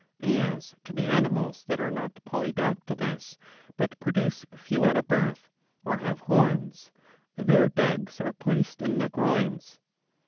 As to the animals that are not polydactylous but produce few at a birth, or have horns, their dugs are placed in the groins.